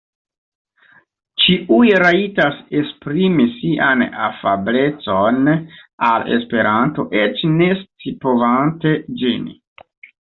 Ĉiuj rajtas esprimi sian afablecon al Esperanto eĉ ne scipovante ĝin.